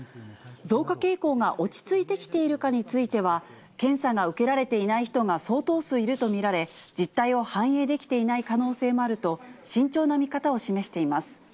増加傾向が落ち着いてきているかについては、検査が受けられていない人が相当数いると見られ、実態を反映できていない可能性もあると慎重な見方を示しています。